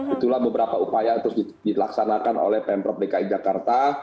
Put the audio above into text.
itulah beberapa upaya yang terus dilaksanakan oleh pemprov dki jakarta